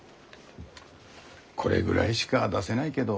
これぐらいしか出せないけど？